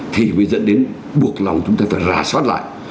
thì mới dẫn đến buộc lòng chúng ta phải rà soát lại